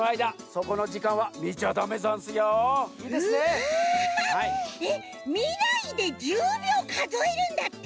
ハハッえっみないで１０秒かぞえるんだって！